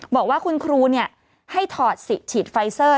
บอกว่าคุณครูให้ถอดสิทธิ์ฉีดไฟเซอร์